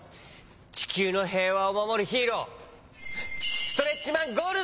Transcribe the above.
ちきゅうのへいわをまもるヒーローストレッチマン・ゴールドだ！